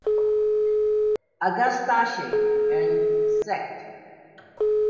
"Agastache" and sect.